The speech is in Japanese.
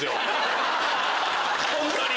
ホントに。